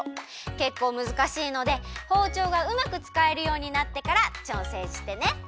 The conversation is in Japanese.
けっこうむずかしいのでほうちょうがうまくつかえるようになってからちょうせんしてね！